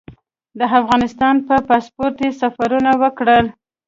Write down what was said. د افغانستان په پاسپورټ یې سفرونه وکړل.